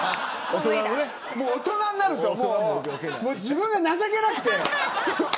大人になると自分が情けなくて。